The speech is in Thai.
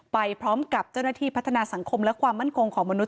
ไปพร้อมกับเจ้าหน้าที่พัฒนาสังคมและความมั่นคงของมนุษ